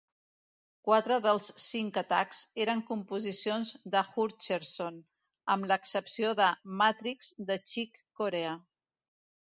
Quatre dels cinc atacs eren composicions de Hutcherson, amb l"excepció de "Matrix" de Chick Corea.